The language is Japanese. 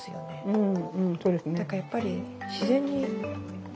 うん。